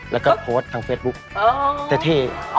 แล้วก็โพสท์ทางเฟสบุ๊คแต่เท่